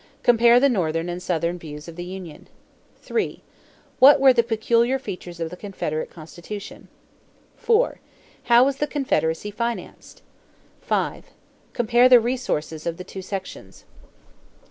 Compare the Northern and Southern views of the union. 3. What were the peculiar features of the Confederate constitution? 4. How was the Confederacy financed? 5. Compare the resources of the two sections.